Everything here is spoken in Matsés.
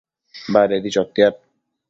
Badedi chotiad